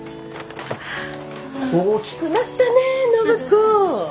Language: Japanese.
大きくなったね暢子。